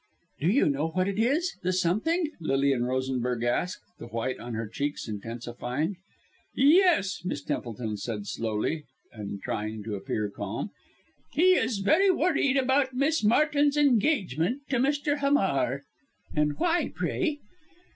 "Do you know what it is the something?" Lilian Rosenberg asked, the white on her cheeks intensifying. "Yes!" Miss Templeton said slowly, and trying to appear calm. "He is very worried about Miss Martin's engagement to Mr. Hamar." "And why, pray?"